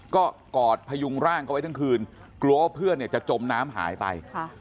ก็กอดพยุงร่างเขาไว้ทั้งคืนกลัวว่าเพื่อนเนี่ยจะจมน้ำหายไป